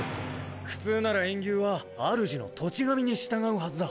普通なら炎牛は主の土地神に従うはずだ。